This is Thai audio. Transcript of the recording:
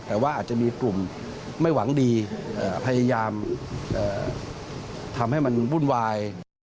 แต่ว่าอาจจะมีกลุ่มไม่หวังดีพยายามทำให้มันวุ่นวาย